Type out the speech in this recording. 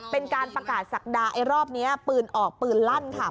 เป็นการประกาศศักดาไอ้รอบนี้ปืนออกปืนลั่นค่ะ